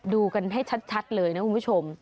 ดูกันให้ชัดเลยนะคุณผู้ชม